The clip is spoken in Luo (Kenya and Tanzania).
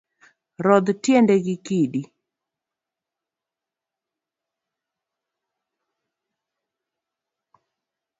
Rudh tiendi gi kidi